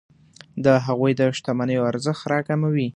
د هغوی د شتمنیو ارزښت راکموي.